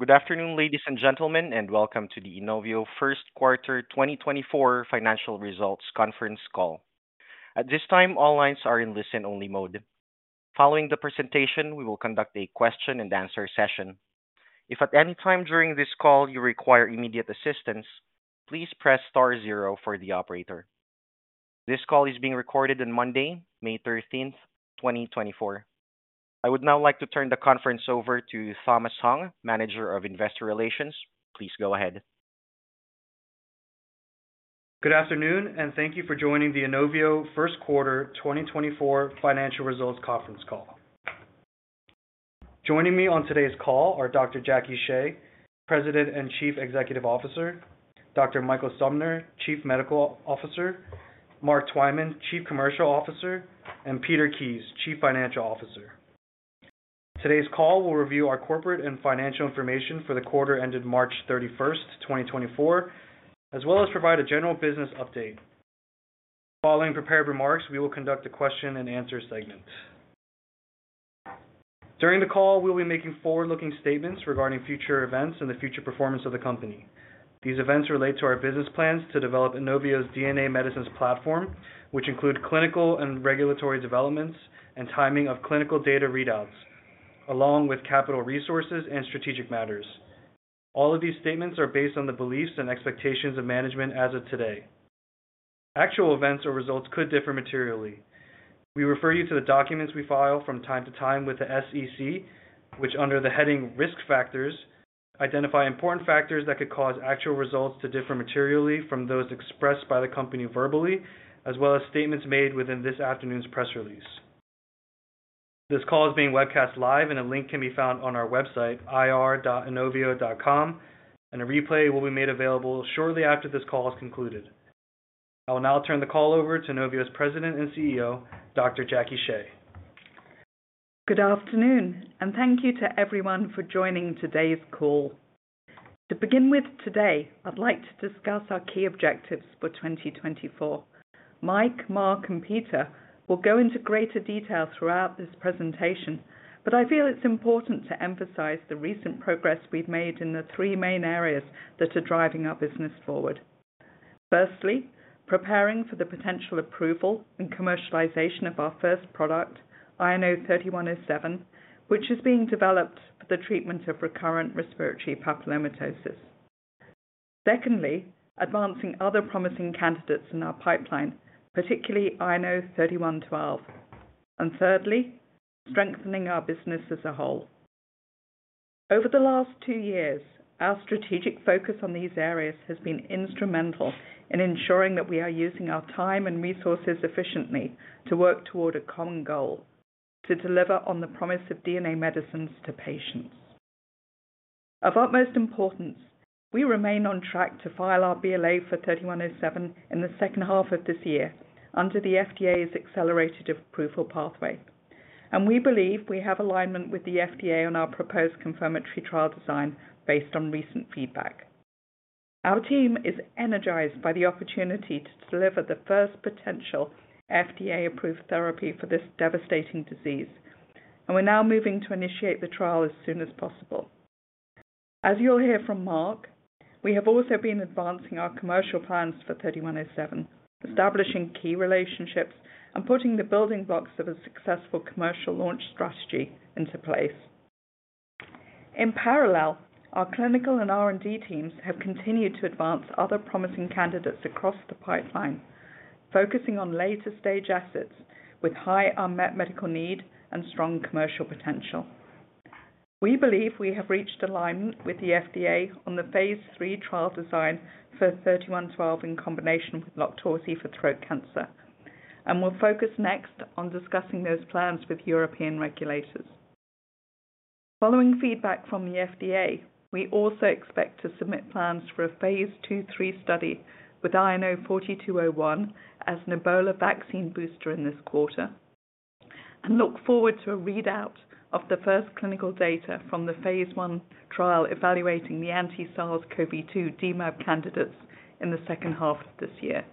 Good afternoon, ladies and gentlemen, and welcome to the INOVIO first quarter 2024 financial results conference call. At this time, all lines are in listen-only mode. Following the presentation, we will conduct a question-and-answer session. If at any time during this call you require immediate assistance, please press star 0 for the operator. This call is being recorded on Monday, May 13, 2024. I would now like to turn the conference over to Thomas Hong, Manager of Investor Relations. Please go ahead. Good afternoon, and thank you for joining the INOVIO first quarter 2024 financial results conference call. Joining me on today's call are Dr. Jacque Shea, President and Chief Executive Officer; Dr. Michael Sumner, Chief Medical Officer; Mark Twyman, Chief Commercial Officer; and Peter Kies, Chief Financial Officer. Today's call will review our corporate and financial information for the quarter ended March 31, 2024, as well as provide a general business update. Following prepared remarks, we will conduct a question-and-answer segment. During the call, we'll be making forward-looking statements regarding future events and the future performance of the company. These events relate to our business plans to develop INOVIO's DNA Medicines platform, which include clinical and regulatory developments and timing of clinical data readouts, along with capital resources and strategic matters. All of these statements are based on the beliefs and expectations of management as of today. Actual events or results could differ materially. We refer you to the documents we file from time to time with the SEC, which, under the heading Risk Factors, identify important factors that could cause actual results to differ materially from those expressed by the company verbally, as well as statements made within this afternoon's press release. This call is being webcast live, and a link can be found on our website, ir.inovio.com, and a replay will be made available shortly after this call is concluded. I will now turn the call over to Inovio's President and CEO, Dr. Jacque Shea. Good afternoon, and thank you to everyone for joining today's call. To begin with, today, I'd like to discuss our key objectives for 2024. Mike, Mark, and Peter will go into greater detail throughout this presentation, but I feel it's important to emphasize the recent progress we've made in the three main areas that are driving our business forward. Firstly, preparing for the potential approval and commercialization of our first product, INO-3107, which is being developed for the treatment of recurrent respiratory papillomatosis. Secondly, advancing other promising candidates in our pipeline, particularly INO-3112. And thirdly, strengthening our business as a whole. Over the last two years, our strategic focus on these areas has been instrumental in ensuring that we are using our time and resources efficiently to work toward a common goal: to deliver on the promise of DNA Medicines to patients. Of utmost importance, we remain on track to file our BLA for 3107 in the second half of this year under the FDA's accelerated approval pathway, and we believe we have alignment with the FDA on our proposed confirmatory trial design based on recent feedback. Our team is energized by the opportunity to deliver the first potential FDA-approved therapy for this devastating disease, and we're now moving to initiate the trial as soon as possible. As you'll hear from Mark, we have also been advancing our commercial plans for 3107, establishing key relationships, and putting the building blocks of a successful commercial launch strategy into place. In parallel, our clinical and R&D teams have continued to advance other promising candidates across the pipeline, focusing on later-stage assets with high unmet medical need and strong commercial potential. We believe we have reached alignment with the FDA on the phase 3 trial design for INO-3112 in combination with LOQTORZI for throat cancer, and we'll focus next on discussing those plans with European regulators. Following feedback from the FDA, we also expect to submit plans for a phase 2/3 study with INO-4201 as an Ebola vaccine booster in this quarter, and look forward to a readout of the first clinical data from the phase 1 trial evaluating the anti-SARS-CoV-2 dMAb candidates in the second half of this year.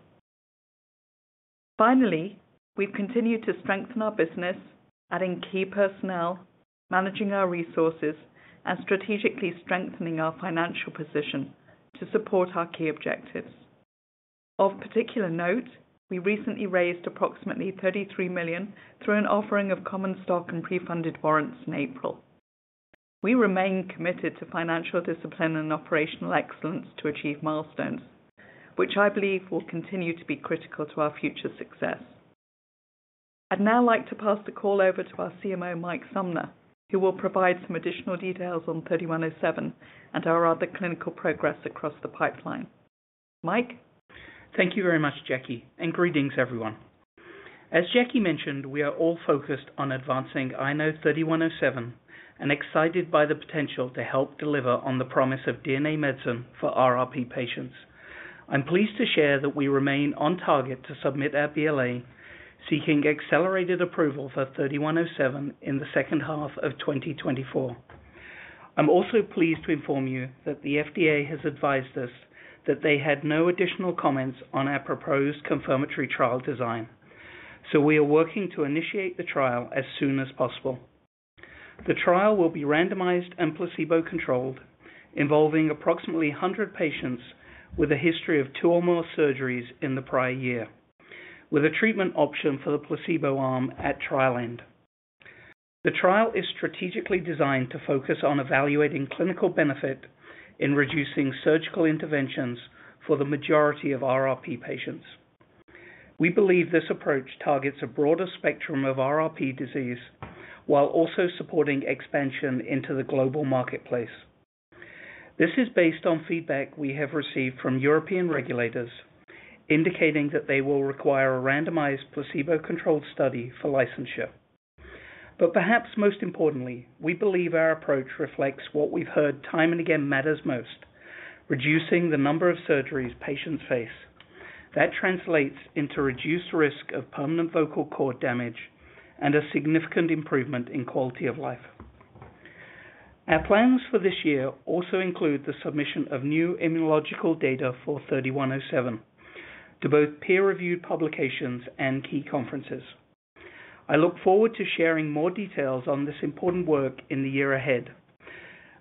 Finally, we've continued to strengthen our business, adding key personnel, managing our resources, and strategically strengthening our financial position to support our key objectives. Of particular note, we recently raised approximately $33 million through an offering of common stock and pre-funded warrants in April. We remain committed to financial discipline and operational excellence to achieve milestones, which I believe will continue to be critical to our future success. I'd now like to pass the call over to our CMO, Mike Sumner, who will provide some additional details on 3107 and our other clinical progress across the pipeline. Mike? Thank you very much, Jacque, and greetings, everyone. As Jacque mentioned, we are all focused on advancing INO-3107 and excited by the potential to help deliver on the promise of DNA Medicine for RRP patients. I'm pleased to share that we remain on target to submit our BLA, seeking accelerated approval for 3107 in the second half of 2024. I'm also pleased to inform you that the FDA has advised us that they had no additional comments on our proposed confirmatory trial design, so we are working to initiate the trial as soon as possible. The trial will be randomized and placebo-controlled, involving approximately 100 patients with a history of two or more surgeries in the prior year, with a treatment option for the placebo arm at trial end. The trial is strategically designed to focus on evaluating clinical benefit in reducing surgical interventions for the majority of RRP patients. We believe this approach targets a broader spectrum of RRP disease while also supporting expansion into the global marketplace. This is based on feedback we have received from European regulators, indicating that they will require a randomized placebo-controlled study for licensure. But perhaps most importantly, we believe our approach reflects what we've heard time and again matters most: reducing the number of surgeries patients face. That translates into reduced risk of permanent vocal cord damage and a significant improvement in quality of life. Our plans for this year also include the submission of new immunological data for 3107 to both peer-reviewed publications and key conferences. I look forward to sharing more details on this important work in the year ahead,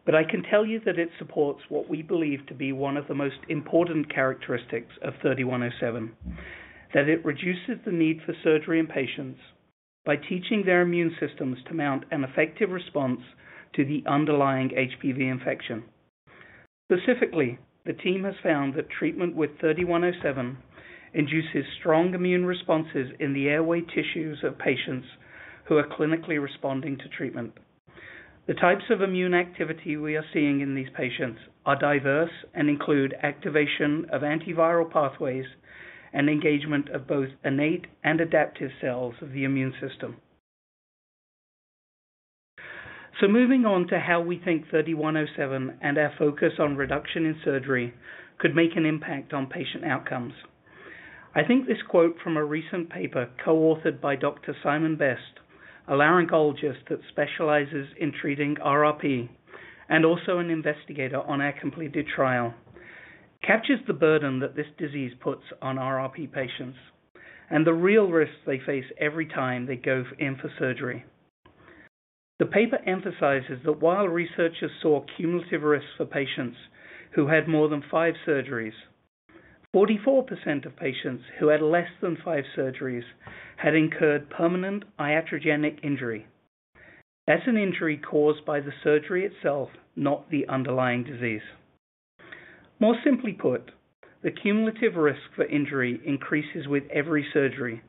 but I can tell you that it supports what we believe to be one of the most important characteristics of 3107: that it reduces the need for surgery in patients by teaching their immune systems to mount an effective response to the underlying HPV infection. Specifically, the team has found that treatment with 3107 induces strong immune responses in the airway tissues of patients who are clinically responding to treatment. The types of immune activity we are seeing in these patients are diverse and include activation of antiviral pathways and engagement of both innate and adaptive cells of the immune system. So moving on to how we think 3107 and our focus on reduction in surgery could make an impact on patient outcomes. I think this quote from a recent paper co-authored by Dr. Simon Best, a laryngologist that specializes in treating RRP and also an investigator on our completed trial, captures the burden that this disease puts on RRP patients and the real risks they face every time they go in for surgery. The paper emphasizes that while researchers saw cumulative risks for patients who had more than 5 surgeries, 44% of patients who had less than 5 surgeries had incurred permanent iatrogenic injury. That's an injury caused by the surgery itself, not the underlying disease. More simply put, the cumulative risk for injury increases with every surgery,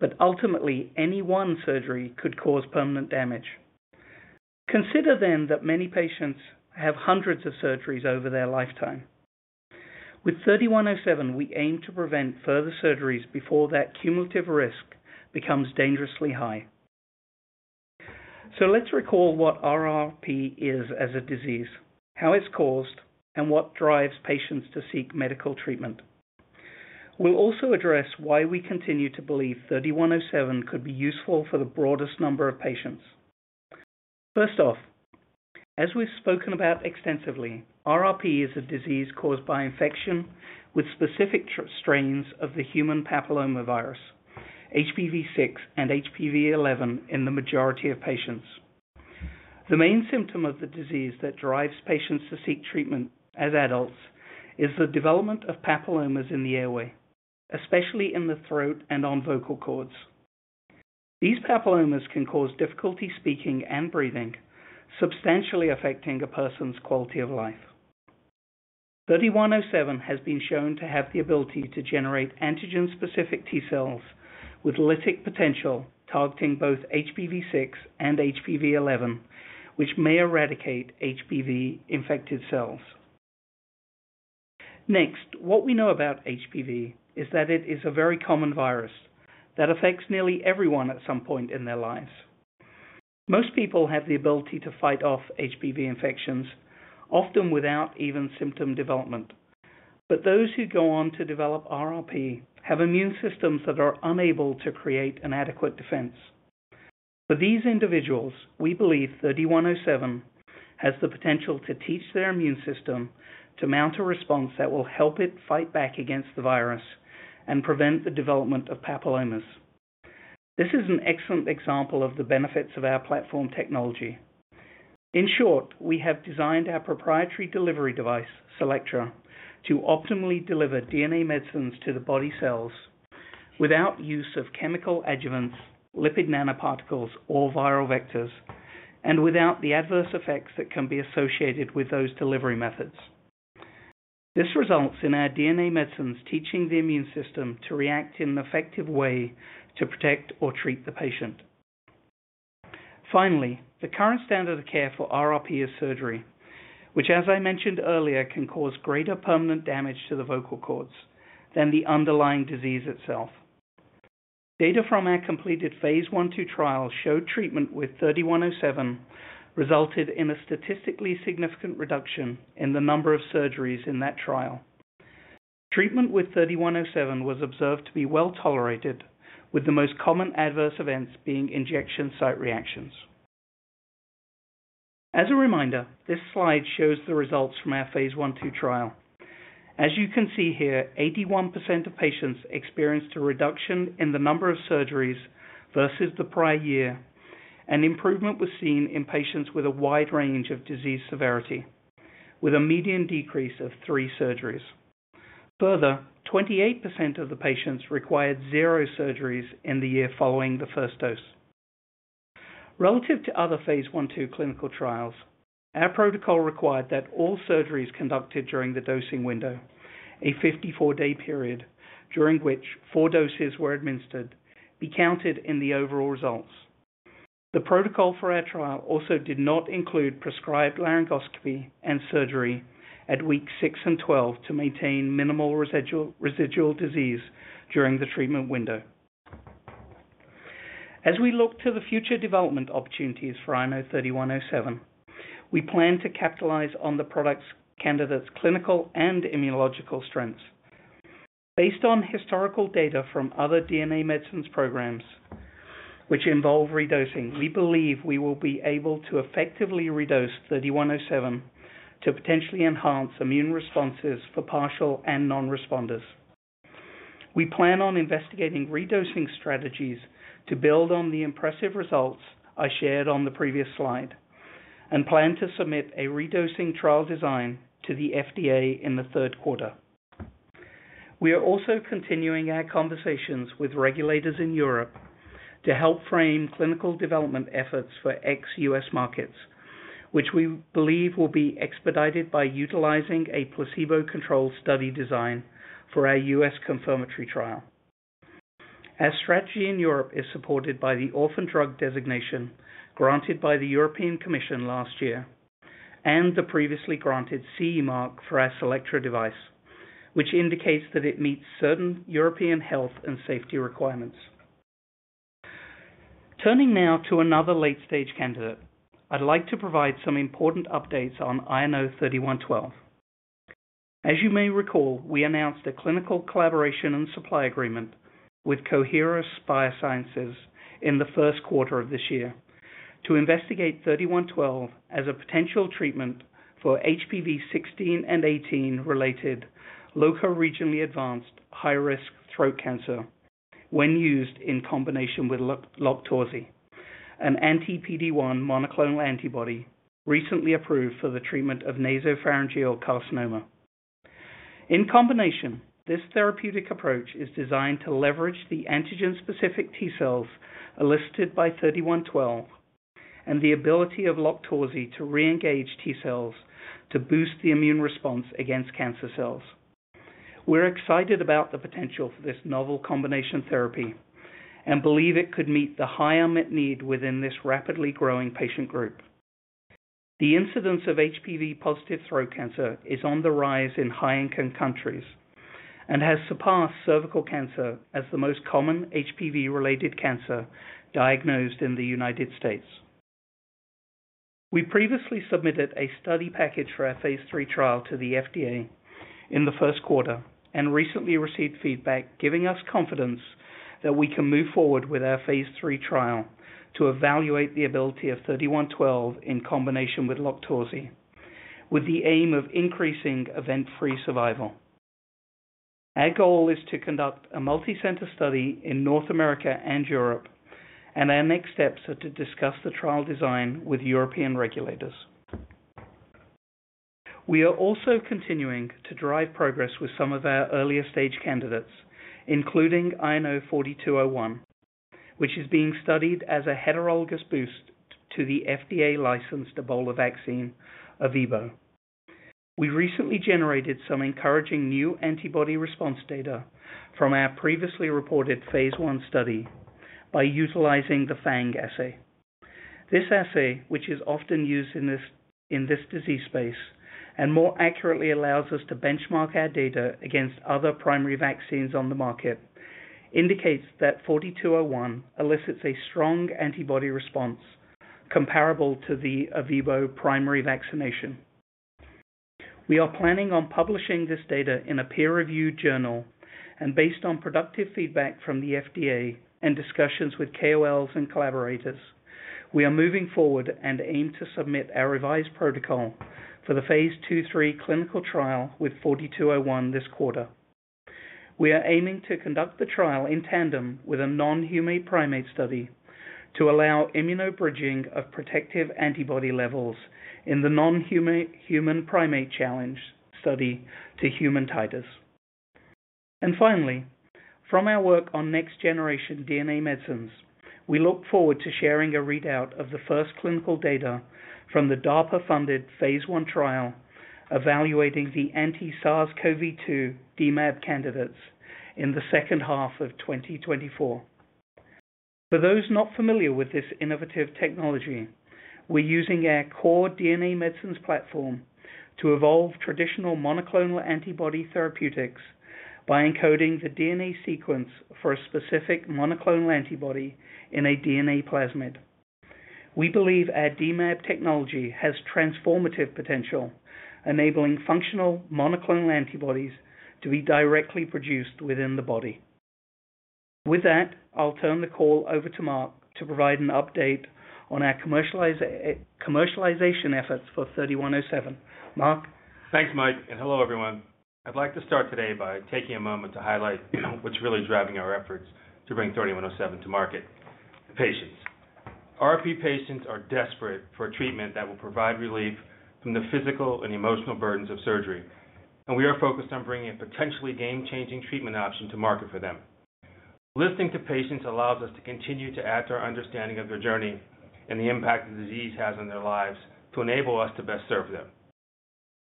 but ultimately any one surgery could cause permanent damage. Consider then that many patients have hundreds of surgeries over their lifetime. With 3107, we aim to prevent further surgeries before that cumulative risk becomes dangerously high. So let's recall what RRP is as a disease, how it's caused, and what drives patients to seek medical treatment. We'll also address why we continue to believe 3107 could be useful for the broadest number of patients. First off, as we've spoken about extensively, RRP is a disease caused by infection with specific strains of the human papillomavirus, HPV-6 and HPV-11, in the majority of patients. The main symptom of the disease that drives patients to seek treatment as adults is the development of papillomas in the airway, especially in the throat and on vocal cords. These papillomas can cause difficulty speaking and breathing, substantially affecting a person's quality of life. 3107 has been shown to have the ability to generate antigen-specific T cells with lytic potential targeting both HPV-6 and HPV-11, which may eradicate HPV-infected cells. Next, what we know about HPV is that it is a very common virus that affects nearly everyone at some point in their lives. Most people have the ability to fight off HPV infections, often without even symptom development, but those who go on to develop RRP have immune systems that are unable to create an adequate defense. For these individuals, we believe 3107 has the potential to teach their immune system to mount a response that will help it fight back against the virus and prevent the development of papillomas. This is an excellent example of the benefits of our platform technology. In short, we have designed our proprietary delivery device, CELLECTRA, to optimally deliver DNA Medicines to the body cells without use of chemical adjuvants, lipid nanoparticles, or viral vectors, and without the adverse effects that can be associated with those delivery methods. This results in our DNA Medicines teaching the immune system to react in an effective way to protect or treat the patient. Finally, the current standard of care for RRP is surgery, which, as I mentioned earlier, can cause greater permanent damage to the vocal cords than the underlying disease itself. Data from our completed phase 1/2 trial showed treatment with 3107 resulted in a statistically significant reduction in the number of surgeries in that trial. Treatment with 3107 was observed to be well tolerated, with the most common adverse events being injection site reactions. As a reminder, this slide shows the results from our phase 1/2 trial. As you can see here, 81% of patients experienced a reduction in the number of surgeries versus the prior year, and improvement was seen in patients with a wide range of disease severity, with a median decrease of three surgeries. Further, 28% of the patients required zero surgeries in the year following the first dose. Relative to other phase 1/2 clinical trials, our protocol required that all surgeries conducted during the dosing window, a 54-day period during which four doses were administered, be counted in the overall results. The protocol for our trial also did not include prescribed laryngoscopy and surgery at weeks six and 12 to maintain minimal residual disease during the treatment window. As we look to the future development opportunities for INO-3107, we plan to capitalize on the product candidate's clinical and immunological strengths. Based on historical data from other DNA Medicines programs, which involve redosing, we believe we will be able to effectively redose INO-3107 to potentially enhance immune responses for partial and non-responders. We plan on investigating redosing strategies to build on the impressive results I shared on the previous slide and plan to submit a redosing trial design to the FDA in the third quarter. We are also continuing our conversations with regulators in Europe to help frame clinical development efforts for ex-US markets, which we believe will be expedited by utilizing a placebo-controlled study design for our US confirmatory trial. Our strategy in Europe is supported by the orphan drug designation granted by the European Commission last year and the previously granted CE mark for our CELLECTRA device, which indicates that it meets certain European health and safety requirements. Turning now to another late-stage candidate, I'd like to provide some important updates on INO-3112. As you may recall, we announced a clinical collaboration and supply agreement with Coherus BioSciences in the first quarter of this year to investigate 3112 as a potential treatment for HPV-16 and HPV-18 related locoregionally advanced high-risk throat cancer when used in combination with LOQTORZI, an anti-PD-1 monoclonal antibody recently approved for the treatment of nasopharyngeal carcinoma. In combination, this therapeutic approach is designed to leverage the antigen-specific T cells elicited by 3112 and the ability of LOQTORZI to re-engage T cells to boost the immune response against cancer cells. We're excited about the potential for this novel combination therapy and believe it could meet the high unmet need within this rapidly growing patient group. The incidence of HPV-positive throat cancer is on the rise in high-income countries and has surpassed cervical cancer as the most common HPV-related cancer diagnosed in the United States. We previously submitted a study package for our phase 3 trial to the FDA in the first quarter and recently received feedback giving us confidence that we can move forward with our phase 3 trial to evaluate the ability of INO-3112 in combination with LOQTORZI, with the aim of increasing event-free survival. Our goal is to conduct a multi-center study in North America and Europe, and our next steps are to discuss the trial design with European regulators. We are also continuing to drive progress with some of our earlier stage candidates, including INO-4201, which is being studied as a heterologous boost to the FDA-licensed Ebola vaccine, ERVEBO. We recently generated some encouraging new antibody response data from our previously reported phase 1 study by utilizing the FANG assay. This assay, which is often used in this disease space and more accurately allows us to benchmark our data against other primary vaccines on the market, indicates that INO-4201 elicits a strong antibody response comparable to the ERVEBO primary vaccination. We are planning on publishing this data in a peer-reviewed journal, and based on productive feedback from the FDA and discussions with KOLs and collaborators, we are moving forward and aim to submit our revised protocol for the phase 2/3 clinical trial with INO-4201 this quarter. We are aiming to conduct the trial in tandem with a non-human primate study to allow immunobridging of protective antibody levels in the non-human primate challenge study to human titers. And finally, from our work on next-generation DNA Medicines, we look forward to sharing a readout of the first clinical data from the DARPA-funded phase one trial evaluating the anti-SARS-CoV-2 dMAb candidates in the second half of 2024. For those not familiar with this innovative technology, we're using our core DNA Medicines platform to evolve traditional monoclonal antibody therapeutics by encoding the DNA sequence for a specific monoclonal antibody in a DNA plasmid. We believe our dMAb technology has transformative potential, enabling functional monoclonal antibodies to be directly produced within the body. With that, I'll turn the call over to Mark to provide an update on our commercialization efforts for 3107. Mark? Thanks, Mike, and hello everyone. I'd like to start today by taking a moment to highlight what's really driving our efforts to bring 3107 to market: patients. RRP patients are desperate for a treatment that will provide relief from the physical and emotional burdens of surgery, and we are focused on bringing a potentially game-changing treatment option to market for them. Listening to patients allows us to continue to act our understanding of their journey and the impact the disease has on their lives to enable us to best serve them.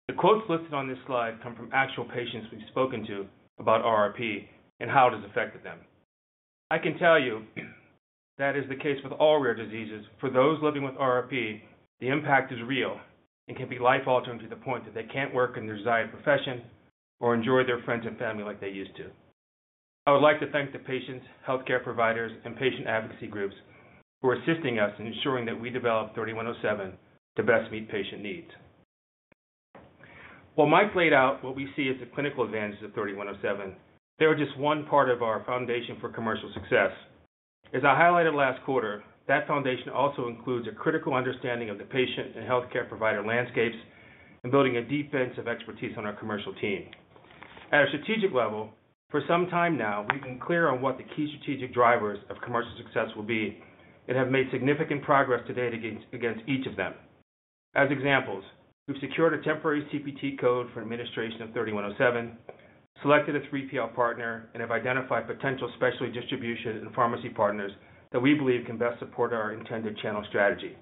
The quotes listed on this slide come from actual patients we've spoken to about RRP and how it has affected them. I can tell you that is the case with all rare diseases. For those living with RRP, the impact is real and can be life-altering to the point that they can't work in their desired profession or enjoy their friends and family like they used to. I would like to thank the patients, healthcare providers, and patient advocacy groups for assisting us in ensuring that we develop 3107 to best meet patient needs. While Mike laid out what we see as the clinical advantages of 3107, they are just one part of our foundation for commercial success. As I highlighted last quarter, that foundation also includes a critical understanding of the patient and healthcare provider landscapes and building a deep bench of expertise on our commercial team. At a strategic level, for some time now, we've been clear on what the key strategic drivers of commercial success will be and have made significant progress today against each of them. As examples, we've secured a temporary CPT code for administration of 3107, selected a 3PL partner, and have identified potential specialty distribution and pharmacy partners that we believe can best support our intended channel strategy.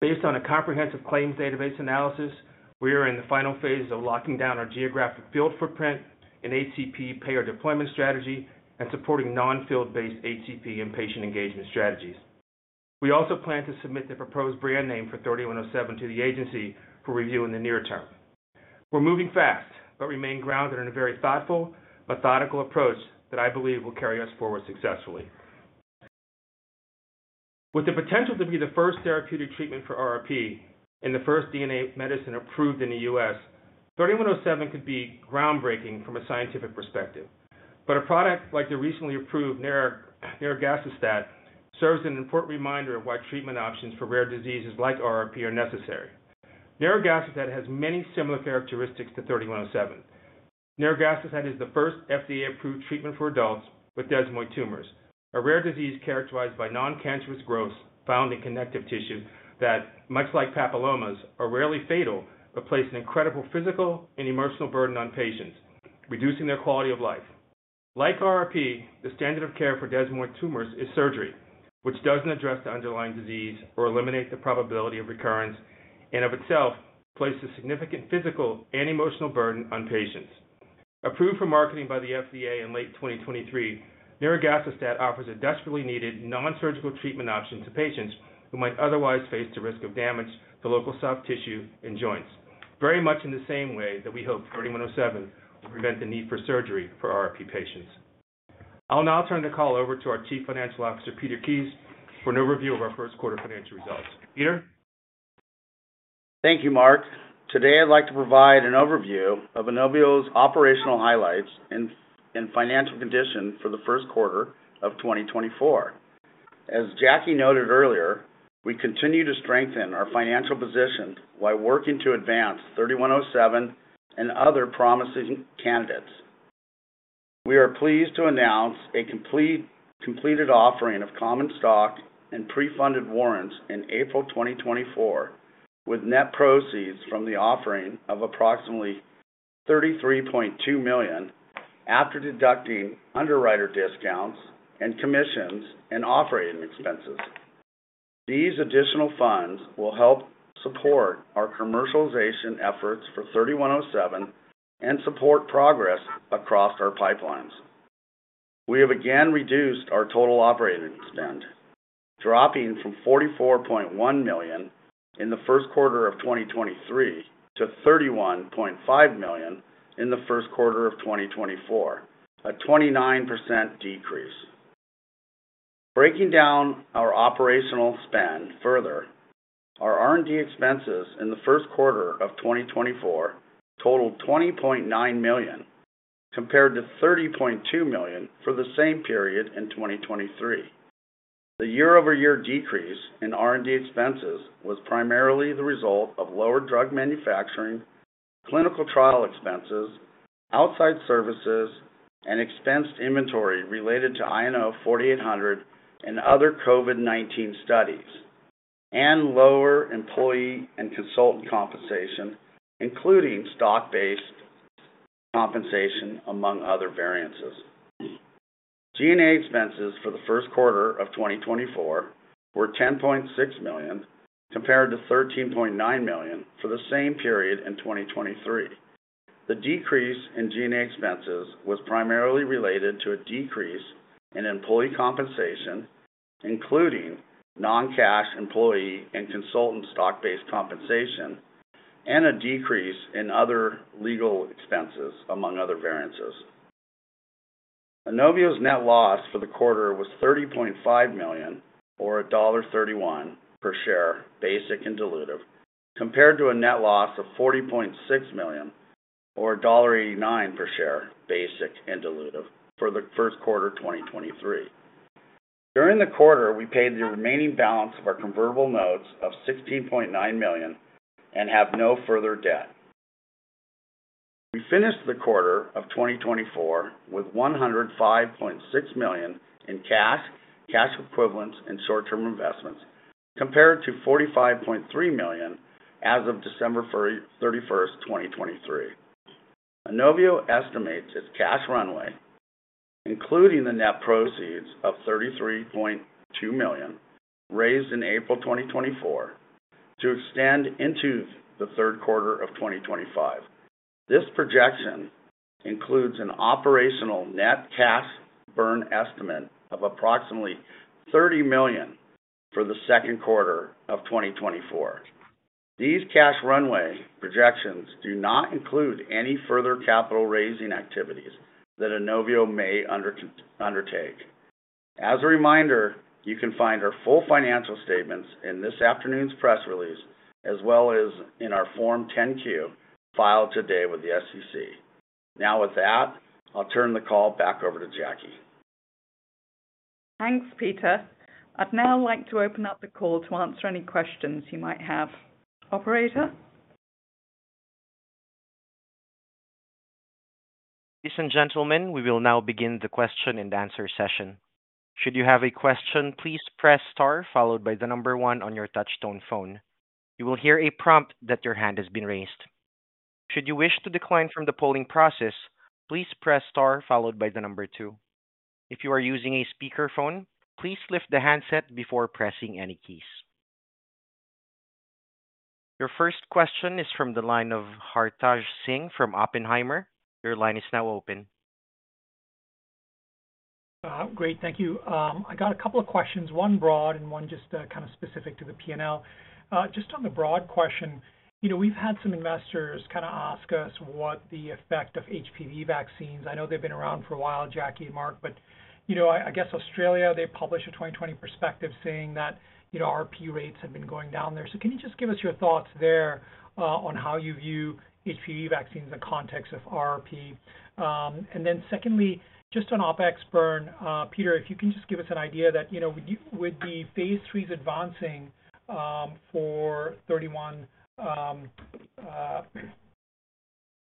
Based on a comprehensive claims database analysis, we are in the final phase of locking down our geographic field footprint and HCP payer deployment strategy and supporting non-field-based HCP and patient engagement strategies. We also plan to submit the proposed brand name for 3107 to the agency for review in the near term. We're moving fast but remain grounded in a very thoughtful, methodical approach that I believe will carry us forward successfully. With the potential to be the first therapeutic treatment for RRP and the first DNA Medicine approved in the U.S., 3107 could be groundbreaking from a scientific perspective. But a product like the recently approved nirogacestat serves as an important reminder of why treatment options for rare diseases like RRP are necessary. Nirogacestat has many similar characteristics to 3107. Nirogacestat is the first FDA-approved treatment for adults with desmoid tumors, a rare disease characterized by non-cancerous growth found in connective tissue that, much like papillomas, are rarely fatal but place an incredible physical and emotional burden on patients, reducing their quality of life. Like RRP, the standard of care for desmoid tumors is surgery, which doesn't address the underlying disease or eliminate the probability of recurrence and, of itself, places significant physical and emotional burden on patients. Approved for marketing by the FDA in late 2023, nirogacestat offers a desperately needed non-surgical treatment option to patients who might otherwise face the risk of damage to local soft tissue and joints, very much in the same way that we hope 3107 will prevent the need for surgery for RRP patients. I'll now turn the call over to our Chief Financial Officer, Peter Kies, for an overview of our first quarter financial results. Peter? Thank you, Mark. Today, I'd like to provide an overview of INOVIO's operational highlights and financial condition for the first quarter of 2024. As Jacque noted earlier, we continue to strengthen our financial position while working to advance 3107 and other promising candidates. We are pleased to announce a completed offering of common stock and pre-funded warrants in April 2024, with net proceeds from the offering of approximately $33.2 million after deducting underwriter discounts and commissions and operating expenses. These additional funds will help support our commercialization efforts for 3107 and support progress across our pipelines. We have again reduced our total operating spend, dropping from $44.1 million in the first quarter of 2023 to $31.5 million in the first quarter of 2024, a 29% decrease. Breaking down our operational spend further, our R&D expenses in the first quarter of 2024 totaled $20.9 million compared to $30.2 million for the same period in 2023. The year-over-year decrease in R&D expenses was primarily the result of lower drug manufacturing, clinical trial expenses, outside services, and expensed inventory related to INO-4800 and other COVID-19 studies, and lower employee and consultant compensation, including stock-based compensation, among other variances. G&A expenses for the first quarter of 2024 were $10.6 million compared to $13.9 million for the same period in 2023. The decrease in G&A expenses was primarily related to a decrease in employee compensation, including non-cash employee and consultant stock-based compensation, and a decrease in other legal expenses, among other variances. Inovio's net loss for the quarter was $30.5 million or $1.31 per share basic and diluted, compared to a net loss of $40.6 million or $1.89 per share basic and diluted for the first quarter 2023. During the quarter, we paid the remaining balance of our convertible notes of $16.9 million and have no further debt. We finished the quarter of 2024 with $105.6 million in cash, cash equivalents, and short-term investments, compared to $45.3 million as of December 31st, 2023. Inovio estimates its cash runway, including the net proceeds of $33.2 million raised in April 2024, to extend into the third quarter of 2025. This projection includes an operational net cash burn estimate of approximately $30 million for the second quarter of 2024. These cash runway projections do not include any further capital-raising activities that INOVIO may undertake. As a reminder, you can find our full financial statements in this afternoon's press release as well as in our Form 10-Q filed today with the SEC. Now, with that, I'll turn the call back over to Jacque. Thanks, Peter. I'd now like to open up the call to answer any questions you might have. Operator? Ladies and gentlemen, we will now begin the question-and-answer session. Should you have a question, please press star followed by the number one on your touch-tone phone. You will hear a prompt that your hand has been raised. Should you wish to decline from the polling process, please press star followed by the number two. If you are using a speakerphone, please lift the handset before pressing any keys. Your first question is from the line of Hartaj Singh from Oppenheimer. Your line is now open. Great, thank you. I got a couple of questions, one broad and one just kind of specific to the P&L. Just on the broad question, we've had some investors kind of ask us what the effect of HPV vaccines—I know they've been around for a while, Jacque and Mark—but I guess Australia, they published a 2020 perspective saying that RRP rates had been going down there. So can you just give us your thoughts there on how you view HPV vaccines in the context of RRP? And then secondly, just on OpEx burn, Peter, if you can just give us an idea that with the phase 3's advancing for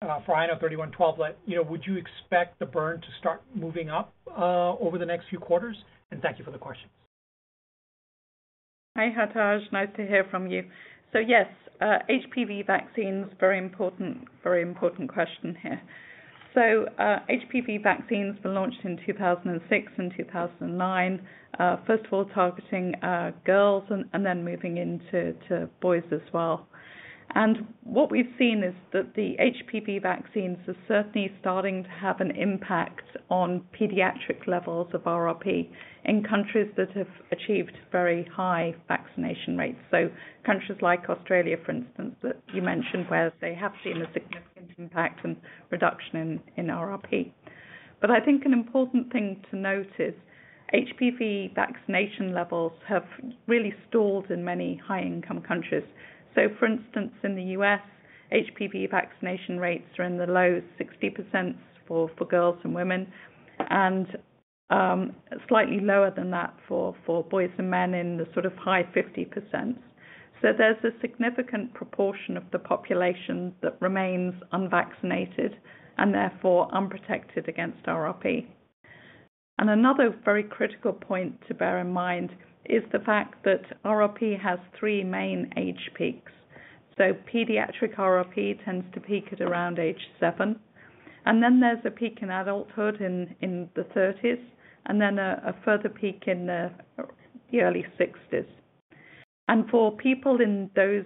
INO-3112, would you expect the burn to start moving up over the next few quarters? And thank you for the questions. Hi, Hartaj. Nice to hear from you. So yes, HPV vaccines—very important, very important question here. So HPV vaccines were launched in 2006 and 2009, first of all targeting girls and then moving into boys as well. And what we've seen is that the HPV vaccines are certainly starting to have an impact on pediatric levels of RRP in countries that have achieved very high vaccination rates. So countries like Australia, for instance, that you mentioned where they have seen a significant impact and reduction in RRP. But I think an important thing to note is HPV vaccination levels have really stalled in many high-income countries. So, for instance, in the U.S., HPV vaccination rates are in the low 60% for girls and women and slightly lower than that for boys and men in the sort of high 50%. So there's a significant proportion of the population that remains unvaccinated and therefore unprotected against RRP. Another very critical point to bear in mind is the fact that RRP has three main age peaks. So pediatric RRP tends to peak at around age 7. And then there's a peak in adulthood in the 30s and then a further peak in the early 60s. And for people in those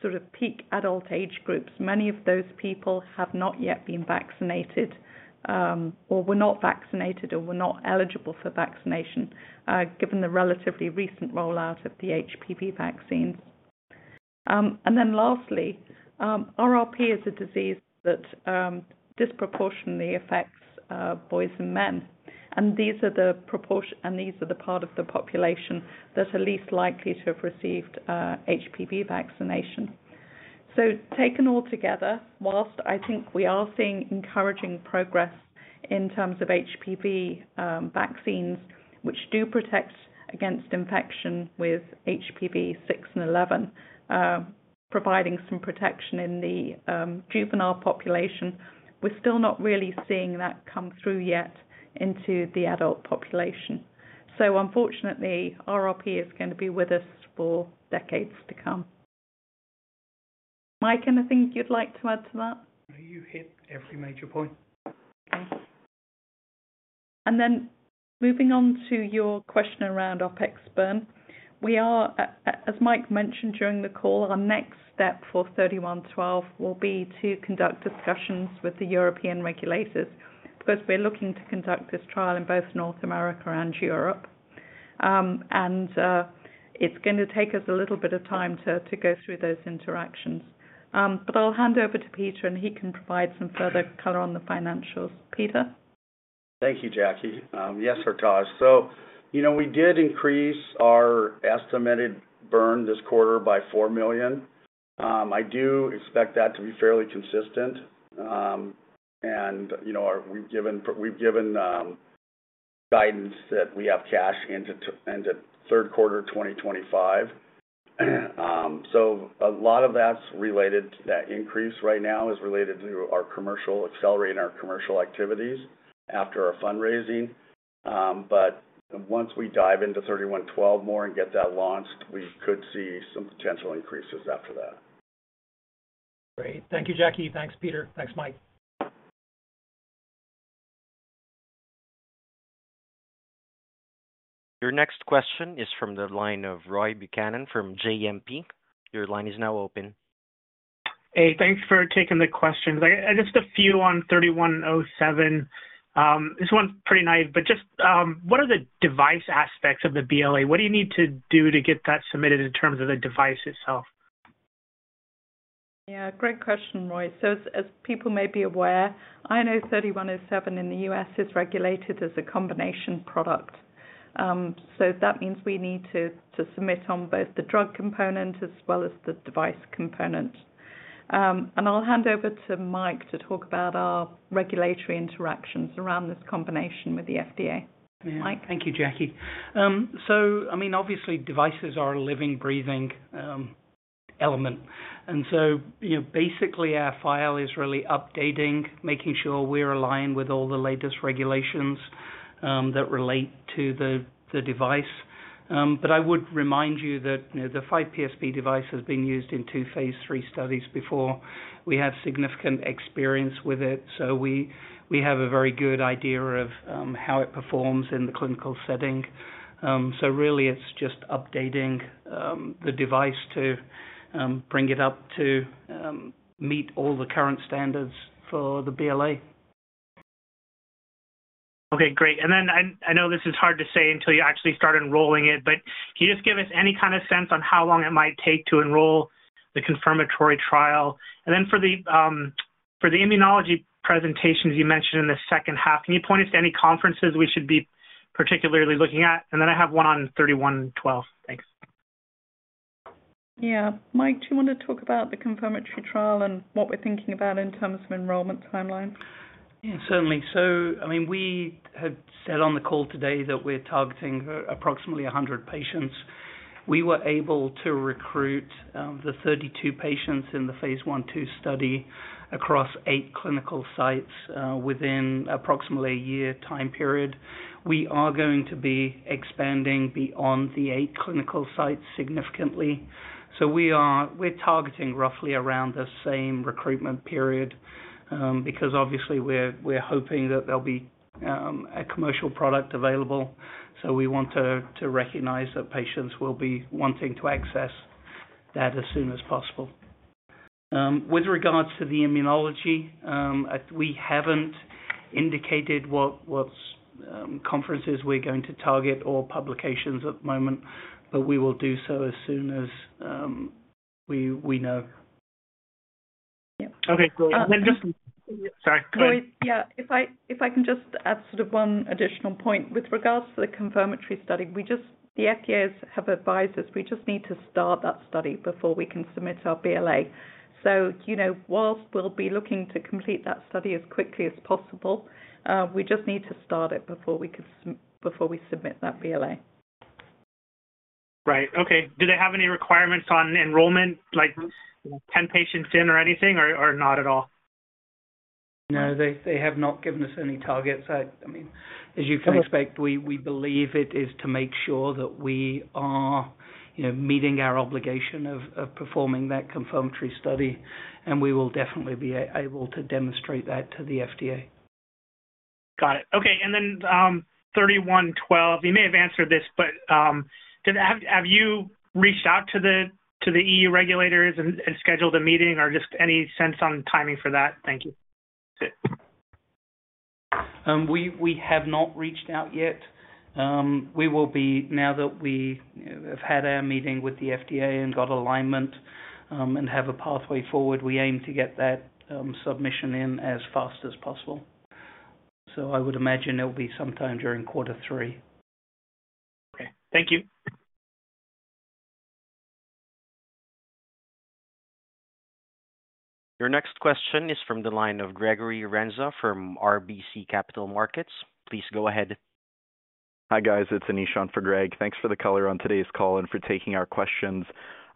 sort of peak adult age groups, many of those people have not yet been vaccinated or were not vaccinated or were not eligible for vaccination given the relatively recent rollout of the HPV vaccines. And then lastly, RRP is a disease that disproportionately affects boys and men. And these are the proportion and these are the part of the population that are least likely to have received HPV vaccination. So taken altogether, while I think we are seeing encouraging progress in terms of HPV vaccines, which do protect against infection with HPV-6 and HPV-11, providing some protection in the juvenile population, we're still not really seeing that come through yet into the adult population. So unfortunately, RRP is going to be with us for decades to come. Mike, anything you'd like to add to that? You hit every major point. Okay. And then moving on to your question around OpEx burn, as Mike mentioned during the call, our next step for 3112 will be to conduct discussions with the European regulators because we're looking to conduct this trial in both North America and Europe. And it's going to take us a little bit of time to go through those interactions. But I'll hand over to Peter and he can provide some further color on the financials. Peter? Thank you, Jacque. Yes, Hartaj. So we did increase our estimated burn this quarter by $4 million. I do expect that to be fairly consistent. And we've given guidance that we have cash into third quarter 2025. So a lot of that's related to that increase right now is related to our commercial accelerating our commercial activities after our fundraising. But once we dive into 3112 more and get that launched, we could see some potential increases after that. Great. Thank you, Jacque. Thanks, Peter. Thanks, Mike. Your next question is from the line of Roy Buchanan from JMP. Your line is now open. Hey, thanks for taking the questions. Just a few on 3107. This one's pretty naive, but just what are the device aspects of the BLA? What do you need to do to get that submitted in terms of the device itself? Yeah, great question, Roy. So as people may be aware, INO-3107 in the U.S. is regulated as a combination product. So that means we need to submit on both the drug component as well as the device component. And I'll hand over to Mike to talk about our regulatory interactions around this combination with the FDA. Mike? Thank you, Jacque. So, I mean, obviously, devices are a living, breathing element. And so basically, our file is really updating, making sure we're aligned with all the latest regulations that relate to the device. But I would remind you that the 5PSP device has been used in 2 phase 3 studies before. We have significant experience with it. So we have a very good idea of how it performs in the clinical setting. So really, it's just updating the device to bring it up to meet all the current standards for the BLA. Okay, great. And then I know this is hard to say until you actually start enrolling it, but can you just give us any kind of sense on how long it might take to enroll the confirmatory trial? And then for the immunology presentations you mentioned in the second half, can you point us to any conferences we should be particularly looking at? And then I have one on 3112. Thanks. Yeah. Mike, do you want to talk about the confirmatory trial and what we're thinking about in terms of enrollment timeline? Yeah, certainly. So, I mean, we had said on the call today that we're targeting approximately 100 patients. We were able to recruit the 32 patients in the phase 1/2 study across 8 clinical sites within approximately a year time period. We are going to be expanding beyond the 8 clinical sites significantly. So we're targeting roughly around the same recruitment period because obviously, we're hoping that there'll be a commercial product available. So we want to recognize that patients will be wanting to access that as soon as possible. With regards to the immunology, we haven't indicated what conferences we're going to target or publications at the moment, but we will do so as soon as we know. Yep. Okay. So then just sorry, go ahead. Roy, yeah, if I can just add sort of one additional point. With regards to the confirmatory study, the FDA has advised us we just need to start that study before we can submit our BLA. So while we'll be looking to complete that study as quickly as possible, we just need to start it before we submit that BLA. Right. Okay. Do they have any requirements on enrollment, like 10 patients in or anything, or not at all? No, they have not given us any targets. I mean, as you can expect, we believe it is to make sure that we are meeting our obligation of performing that confirmatory study. And we will definitely be able to demonstrate that to the FDA. Got it. Okay. And then 3112, you may have answered this, but have you reached out to the EU regulators and scheduled a meeting, or just any sense on timing for that? Thank you. We have not reached out yet. We will be now that we have had our meeting with the FDA and got alignment and have a pathway forward, we aim to get that submission in as fast as possible. So I would imagine it'll be sometime during quarter three. Okay. Thank you. Your next question is from the line of Gregory Renza from RBC Capital Markets. Please go ahead. Hi guys, it's Anish for Greg. Thanks for the color on today's call and for taking our questions.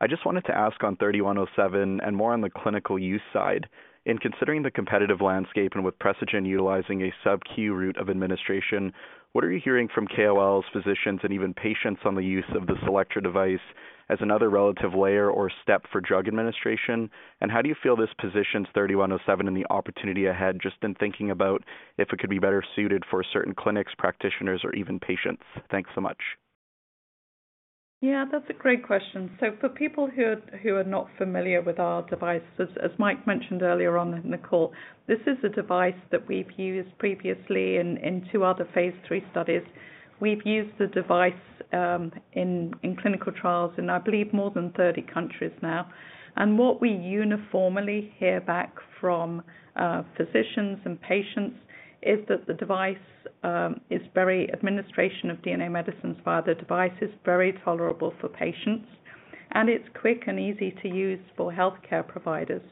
I just wanted to ask on 3107 and more on the clinical use side. In considering the competitive landscape and with Precigen utilizing a sub-Q route of administration, what are you hearing from KOLs, physicians, and even patients on the use of the CELLECTRA device as another relative layer or step for drug administration? And how do you feel this positions 3107 in the opportunity ahead just in thinking about if it could be better suited for certain clinics, practitioners, or even patients? Thanks so much. Yeah, that's a great question. So for people who are not familiar with our devices, as Mike mentioned earlier on in the call, this is a device that we've used previously in two other phase 3 studies. We've used the device in clinical trials in, I believe, more than 30 countries now. And what we uniformly hear back from physicians and patients is that the administration of DNA medicines via the device is very tolerable for patients, and it's quick and easy to use for healthcare providers.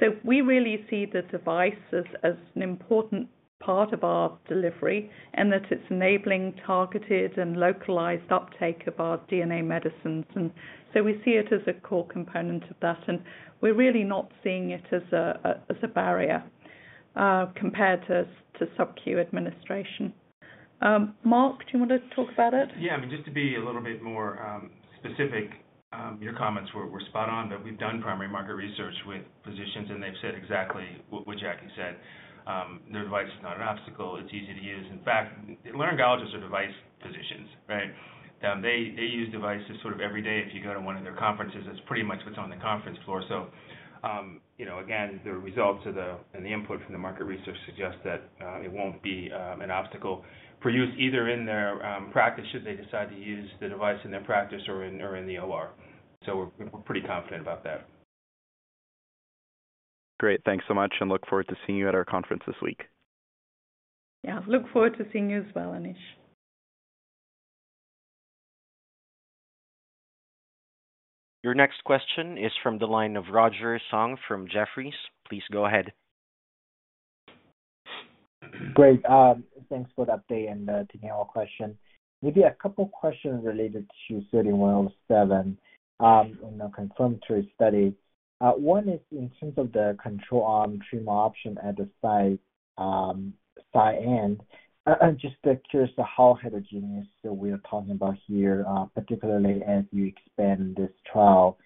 So we really see the device as an important part of our delivery and that it's enabling targeted and localized uptake of our DNA medicines. And so we see it as a core component of that. And we're really not seeing it as a barrier compared to sub-Q administration. Mark, do you want to talk about it? Yeah, I mean, just to be a little bit more specific, your comments were spot on. But we've done primary market research with physicians, and they've said exactly what Jacque said. Their device is not an obstacle. It's easy to use. In fact, laryngologists are device physicians, right? They use devices sort of every day. If you go to one of their conferences, that's pretty much what's on the conference floor. So again, the results and the input from the market research suggest that it won't be an obstacle for use either in their practice should they decide to use the device in their practice or in the OR. So we're pretty confident about that. Great. Thanks so much. And look forward to seeing you at our conference this week. Yeah, look forward to seeing you as well, Anish. Your next question is from the line of Roger Song from Jefferies. Please go ahead. Great. Thanks for that update and taking our question. Maybe a couple of questions related to 3107 in the confirmatory study. One is in terms of the control arm treatment option at the side end. Just curious how heterogeneous we are talking about here, particularly as you expand this trial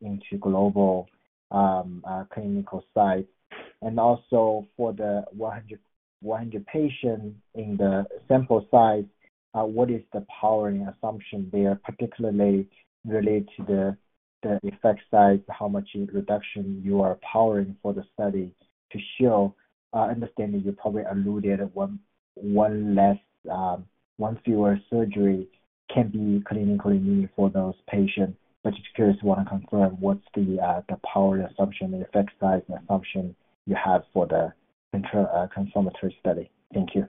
into global clinical sites. And also for the 100 patients in the sample size, what is the powering assumption there, particularly related to the effect size, how much reduction you are powering for the study to show? Understanding you probably alluded to one fewer surgery can be clinically needed for those patients. But just curious to want to confirm what's the powering assumption, the effect size assumption you have for the confirmatory study. Thank you.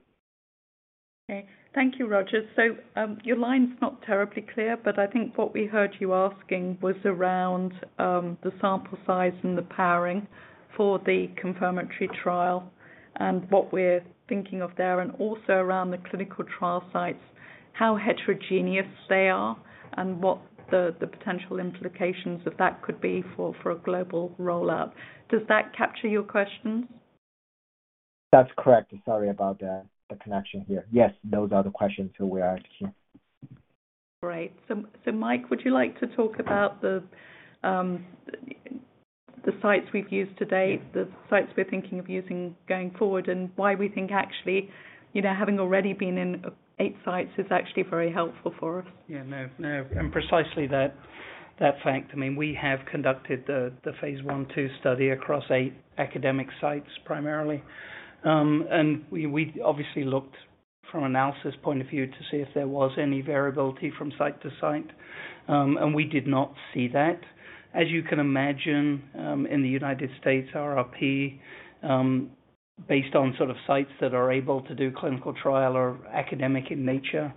Okay. Thank you, Roger. So your line's not terribly clear, but I think what we heard you asking was around the sample size and the powering for the confirmatory trial and what we're thinking of there and also around the clinical trial sites, how heterogeneous they are and what the potential implications of that could be for a global rollout. Does that capture your questions? That's correct. Sorry about the connection here. Yes, those are the questions who we are asking. Great. So Mike, would you like to talk about the sites we've used to date, the sites we're thinking of using going forward, and why we think actually having already been in 8 sites is actually very helpful for us? Yeah, no. And precisely that fact. I mean, we have conducted the phase 1/2 study across 8 academic sites primarily. We obviously looked from an analysis point of view to see if there was any variability from site to site. We did not see that. As you can imagine, in the United States, RRP, based on sort of sites that are able to do clinical trial, are academic in nature.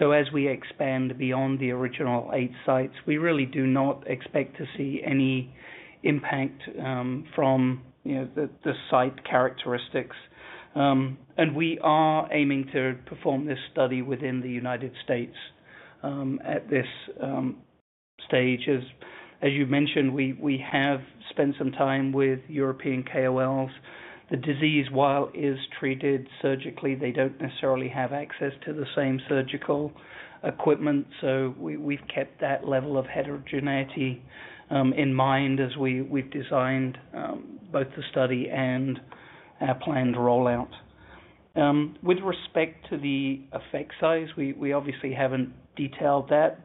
As we expand beyond the original eight sites, we really do not expect to see any impact from the site characteristics. We are aiming to perform this study within the United States at this stage. As you mentioned, we have spent some time with European KOLs. The disease, while it is treated surgically, they don't necessarily have access to the same surgical equipment. We've kept that level of heterogeneity in mind as we've designed both the study and our planned rollout. With respect to the effect size, we obviously haven't detailed that.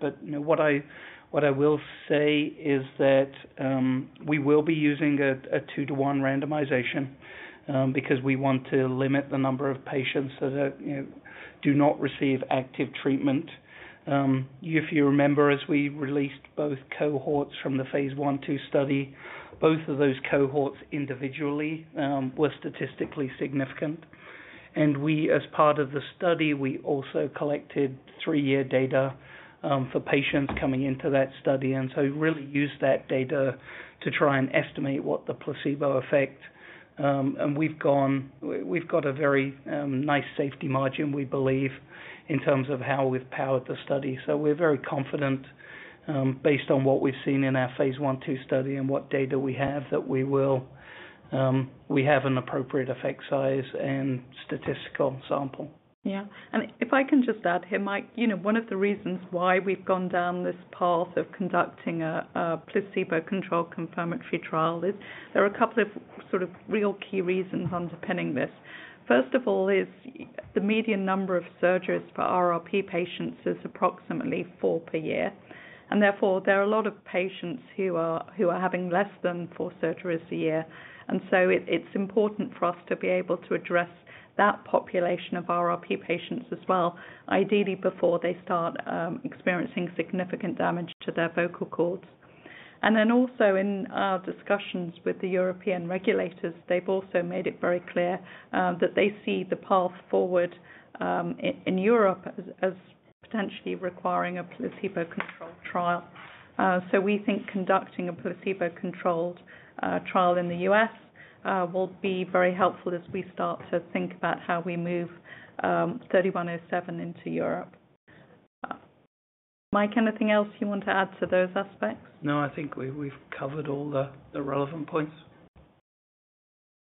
What I will say is that we will be using a 2:1 randomization because we want to limit the number of patients that do not receive active treatment. If you remember, as we released both cohorts from the phase 1/2 study, both of those cohorts individually were statistically significant. And as part of the study, we also collected 3-year data for patients coming into that study and so really used that data to try and estimate what the placebo effect was. And we've got a very nice safety margin, we believe, in terms of how we've powered the study. So we're very confident based on what we've seen in our phase 1/2 study and what data we have that we have an appropriate effect size and statistical sample. Yeah. And if I can just add here, Mike, one of the reasons why we've gone down this path of conducting a placebo-controlled confirmatory trial is there are a couple of sort of real key reasons underpinning this. First of all, is the median number of surgeries for RRP patients is approximately 4 per year. And therefore, there are a lot of patients who are having less than 4 surgeries a year. And so it's important for us to be able to address that population of RRP patients as well, ideally before they start experiencing significant damage to their vocal cords. And then also in our discussions with the European regulators, they've also made it very clear that they see the path forward in Europe as potentially requiring a placebo-controlled trial. So we think conducting a placebo-controlled trial in the U.S. will be very helpful as we start to think about how we move 3107 into Europe. Mike, anything else you want to add to those aspects? No, I think we've covered all the relevant points.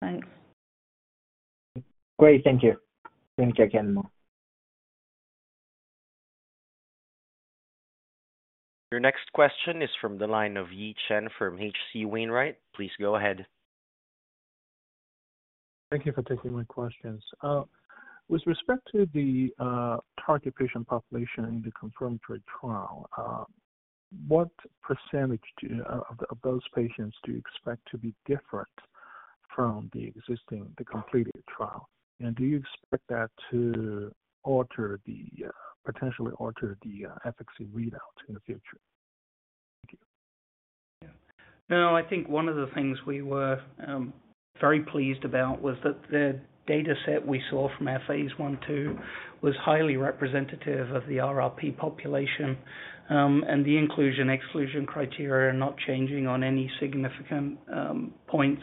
Thanks. Great. Thank you. We're going to check in more. Your next question is from the line of Yi Chen from H.C. Wainwright. Please go ahead. Thank you for taking my questions. With respect to the target patient population in the confirmatory trial, what percentage of those patients do you expect to be different from the completed trial? And do you expect that to potentially alter the efficacy readout in the future? Thank you. Yeah. No, I think one of the things we were very pleased about was that the dataset we saw from our phase 1/2 was highly representative of the RRP population. The inclusion/exclusion criteria are not changing on any significant points.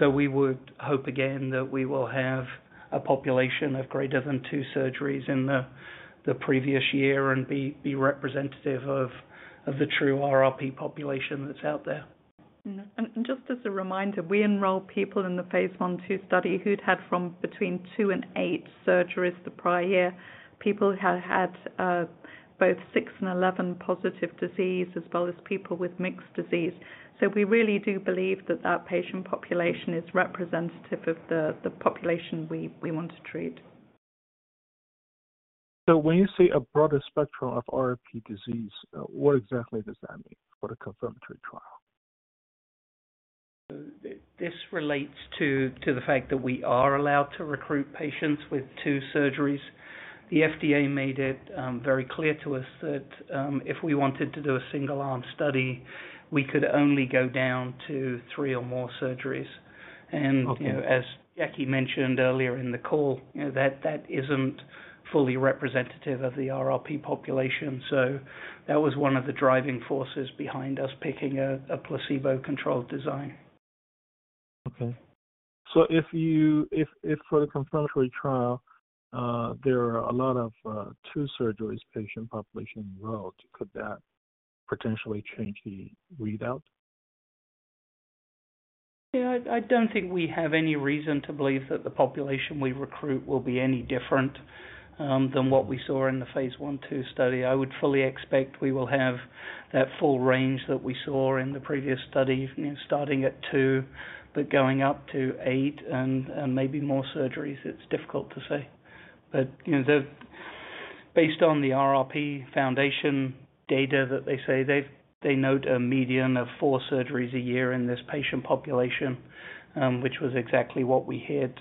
We would hope again that we will have a population of greater than 2 surgeries in the previous year and be representative of the true RRP population that's out there. Just as a reminder, we enroll people in the phase 1/2 study who'd had from between 2 and 8 surgeries the prior year, people who had had both 6 and 11 positive disease as well as people with mixed disease. We really do believe that that patient population is representative of the population we want to treat. When you say a broader spectrum of RRP disease, what exactly does that mean for the confirmatory trial? This relates to the fact that we are allowed to recruit patients with 2 surgeries. The FDA made it very clear to us that if we wanted to do a single-arm study, we could only go down to three or more surgeries. And as Jacque mentioned earlier in the call, that isn't fully representative of the RRP population. So that was one of the driving forces behind us picking a placebo-controlled design. Okay. So if for the confirmatory trial, there are a lot of two-surgeries patient population enrolled, could that potentially change the readout? Yeah, I don't think we have any reason to believe that the population we recruit will be any different than what we saw in the phase 1/2 study. I would fully expect we will have that full range that we saw in the previous study, starting at two but going up to eight and maybe more surgeries. It's difficult to say. Based on the RRP Foundation data that they say, they note a median of 4 surgeries a year in this patient population, which was exactly what we heard.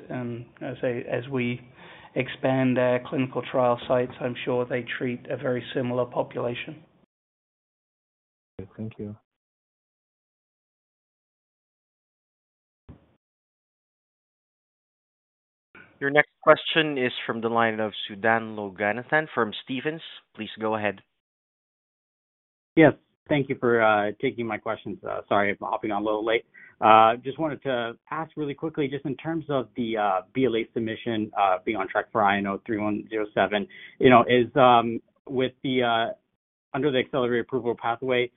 As we expand our clinical trial sites, I'm sure they treat a very similar population. Thank you. Your next question is from the line of Sudan Loganathan from Stephens. Please go ahead. Yes. Thank you for taking my questions. Sorry, I'm hopping on a little late. Just wanted to ask really quickly, just in terms of the BLA submission being on track for INO-3107, under the accelerated approval pathway,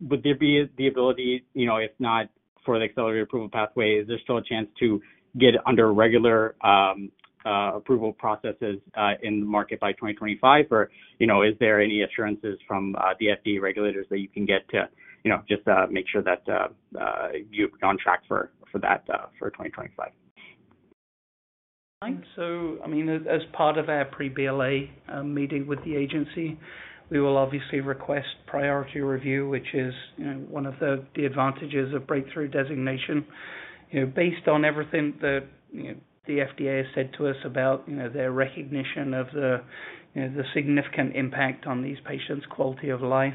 would there be the ability, if not for the accelerated approval pathway, is there still a chance to get under regular approval processes in the market by 2025, or is there any assurances from the FDA regulators that you can get to just make sure that you're on track for that for 2025? Thanks. So I mean, as part of our pre-BLA meeting with the agency, we will obviously request priority review, which is one of the advantages of breakthrough designation. Based on everything that the FDA has said to us about their recognition of the significant impact on these patients' quality of life,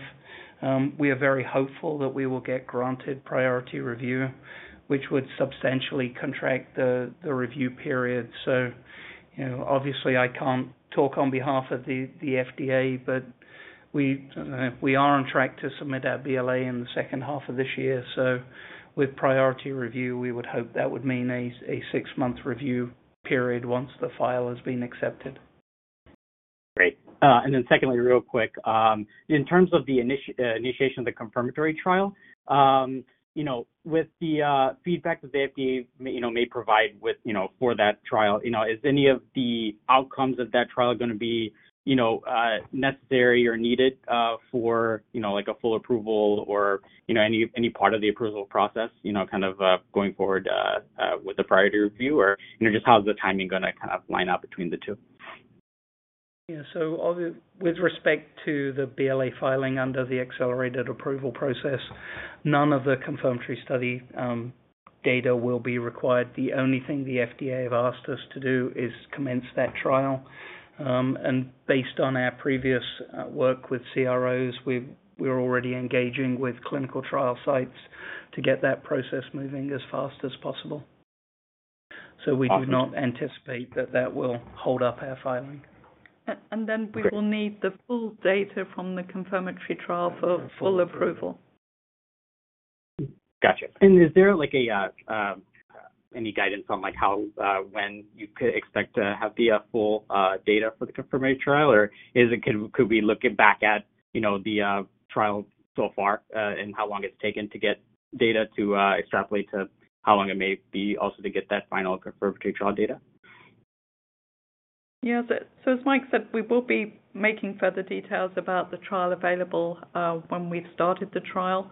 we are very hopeful that we will get granted priority review, which would substantially contract the review period. So obviously, I can't talk on behalf of the FDA, but we are on track to submit our BLA in the second half of this year. So with priority review, we would hope that would mean a six-month review period once the file has been accepted. Great. And then secondly, real quick, in terms of the initiation of the confirmatory trial, with the feedback that the FDA may provide for that trial, is any of the outcomes of that trial going to be necessary or needed for a full approval or any part of the approval process kind of going forward with the priority review, or just how's the timing going to kind of line up between the two? Yeah. So with respect to the BLA filing under the accelerated approval process, none of the confirmatory study data will be required. The only thing the FDA have asked us to do is commence that trial. And based on our previous work with CROs, we're already engaging with clinical trial sites to get that process moving as fast as possible. So we do not anticipate that that will hold up our filing. And then we will need the full data from the confirmatory trial for full approval. Gotcha. And is there any guidance on when you could expect to have the full data for the confirmatory trial, or could we look back at the trial so far and how long it's taken to get data to extrapolate to how long it may be also to get that final confirmatory trial data? Yeah. So as Mike said, we will be making further details about the trial available when we've started the trial.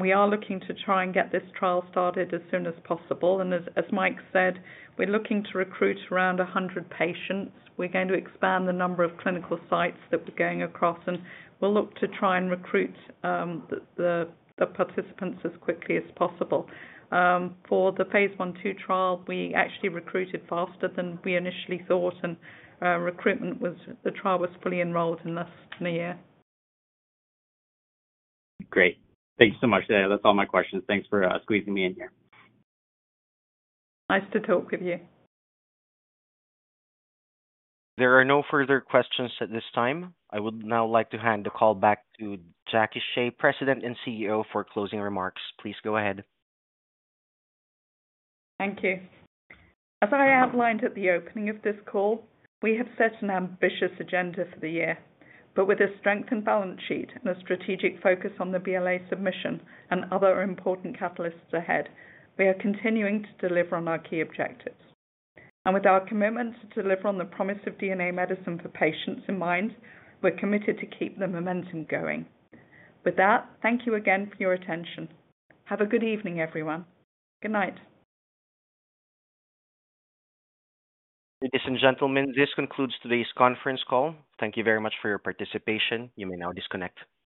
We are looking to try and get this trial started as soon as possible. As Mike said, we're looking to recruit around 100 patients. We're going to expand the number of clinical sites that we're going across, and we'll look to try and recruit the participants as quickly as possible. For the phase 1/2 trial, we actually recruited faster than we initially thought, and the trial was fully enrolled in less than a year. Great. Thank you so much. That's all my questions. Thanks for squeezing me in here. Nice to talk with you. There are no further questions at this time. I would now like to hand the call back to Jacque Shea, President and CEO, for closing remarks. Please go ahead. Thank you. As I outlined at the opening of this call, we have set an ambitious agenda for the year. But with a strengthened balance sheet and a strategic focus on the BLA submission and other important catalysts ahead, we are continuing to deliver on our key objectives. And with our commitment to deliver on the promise of DNA medicine for patients in mind, we're committed to keep the momentum going. With that, thank you again for your attention. Have a good evening, everyone. Good night. Ladies and gentlemen, this concludes today's conference call. Thank you very much for your participation. You may now disconnect.